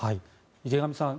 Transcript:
池上さん